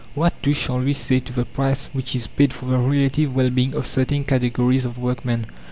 What, too, shall we say to the price which is paid for the relative well being of certain categories of workmen?